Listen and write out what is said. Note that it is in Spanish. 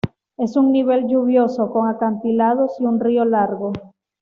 Es un nivel lluvioso, con acantilados, y un río largo.